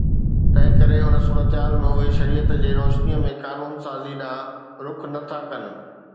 تنهن ڪري ان صورتحال ۾ اهي شريعت جي روشنيءَ ۾ قانون سازي ڏانهن رخ نه ٿا ڪن